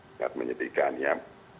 sangat menyedihkan ya